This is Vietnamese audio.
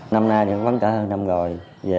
năm nay thì cũng vắng trở hơn năm rồi